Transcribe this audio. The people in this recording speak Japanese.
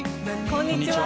こんにちは。